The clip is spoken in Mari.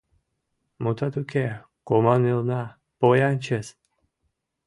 Мутат уке, команмелна — поян чес.